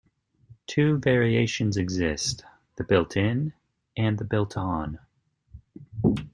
Two variations exist, the built-in and the built-on.